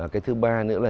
cái thứ ba nữa là